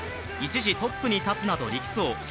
一時、トップに立つなど力走。